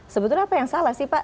sebetulnya apa yang salah sih pak